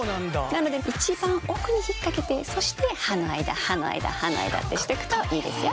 なので一番奥に引っ掛けてそして歯の間歯の間歯の間ってしてくといいですよ。